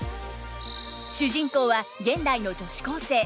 主人公は現代の女子高生。